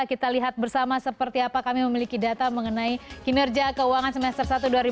kita lihat bersama seperti apa kami memiliki data mengenai kinerja keuangan semester satu dua ribu dua puluh